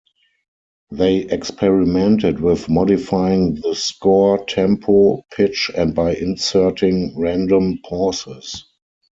They experimented with modifying the score, tempo, pitch and by inserting random pauses.